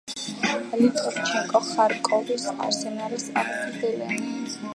ლიტოვჩენკო ხარკოვის „არსენალის“ აღზრდილია.